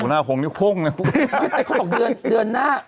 นั่นหา